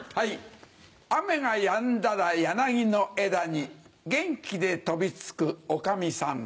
雨がやんだら柳の枝に元気で飛び付くおかみさん。